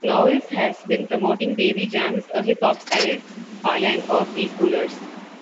Knowles has been promoting Baby Jamz, a hip hop-styled toy line for pre-schoolers.